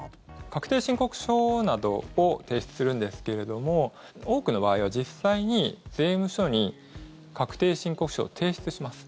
確定申告書などを提出するんですけれども多くの場合は、実際に税務署に確定申告書を提出します。